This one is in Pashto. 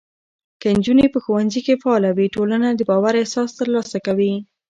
که نجونې په ښوونځي کې فعاله وي، ټولنه د باور احساس ترلاسه کوي.